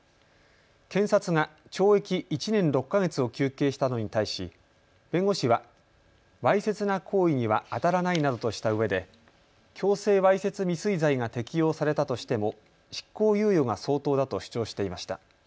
検察が懲役１年６か月を求刑したのに対し弁護士はわいせつな行為にはあたらないなどとしたうえで強制わいせつ未遂罪が適用されたとしても執行猶予が相当だと主張していました。